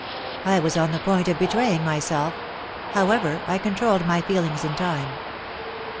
I was on the point of betraying myself; however, I controlled my feelings in time.